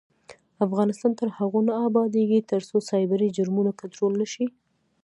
افغانستان تر هغو نه ابادیږي، ترڅو سایبري جرمونه کنټرول نشي.